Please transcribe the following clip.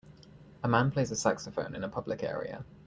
A man plays a saxophone in a public area.